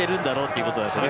いうことですね。